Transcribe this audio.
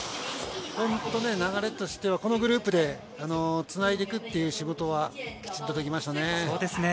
流れとしてはこのグループでつないでいくっていう仕事はきちんとできましたね。